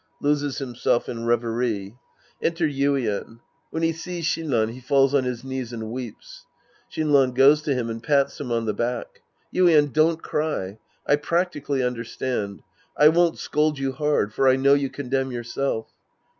{Loses himself inrevery. Enter Yxjien. When he sees Shinran, he falls on his knees and weeps. Shinran goes to him and pats him on the back.) Yuien, don't cry. I practically understand. I won't scold you hard. For I know you condemn yourself.